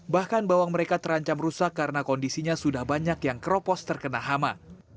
bahkan bawang mereka terancam rusak karena kondisinya sudah banyak yang keropos terkena hama